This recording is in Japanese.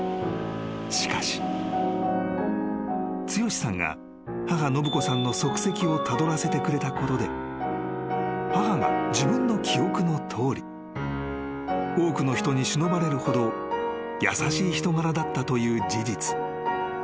［しかし］［剛志さんが母信子さんの足跡をたどらせてくれたことで母が自分の記憶のとおり多くの人にしのばれるほど優しい人柄だったという事実］